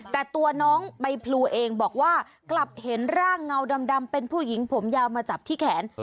แต่ตัวน้องใบพลูเองบอกว่ากลับเห็นร่างเงาดำเป็นผู้หญิงผมยาวมาจับที่แขน